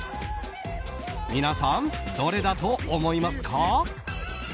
皆さん、どれだと思いますか？